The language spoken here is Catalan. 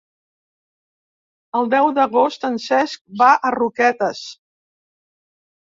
El deu d'agost en Cesc va a Roquetes.